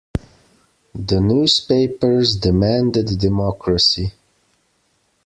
The newspapers demanded democracy.